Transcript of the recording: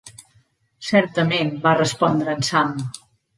"Certament" va respondre en Sam.